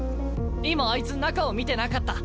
「今あいつ中を見てなかった。